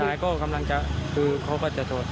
นายก็กำลังจะคือเขาก็จะถอด